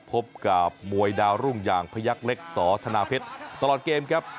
พบกับมวยดาวรุ่งอย่างพยักษ์เล็กสอธนาเพชรตลอดเกมครับ